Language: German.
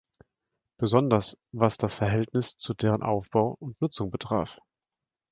Besonders was das Verhältnis zu deren Aufbau und Nutzung betraf.